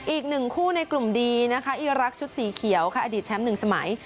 อีกหนึ่งคู่ในกลุ่มดีนะคะอีรักษ์ชุดสีเขียวค่ะอดีตแชมป์๑สมัย